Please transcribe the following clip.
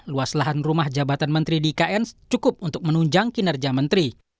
luas lahan rumah jabatan menteri di ikn cukup untuk menunjang kinerja menteri